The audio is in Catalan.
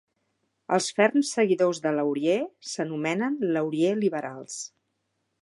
Els ferms seguidors de Laurier s'anomenen Laurier Liberals.